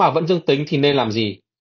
nếu mà vẫn dương tính thì nên làm gì